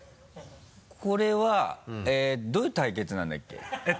これはどういう対決なんだっけ？